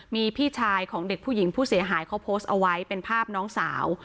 มีพี่ชายของเด็กผู้หญิงผู้เสียหายเขาโพสต์เอาไว้เป็นภาพน้องสาว